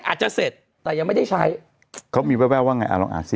อาจจะเสร็จแต่ยังไม่ได้ใช้เขามีแววว่าไงลองอ่านสิ